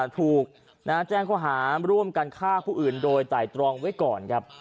ถูกแจ้งข้อหาร่วมกันฆ่าผู้อื่นโดยไตรตรองไว้ก่อนครับ